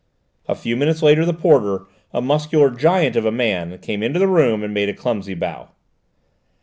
A few minutes later the porter, a muscular giant of a man, came into the room and made a clumsy bow.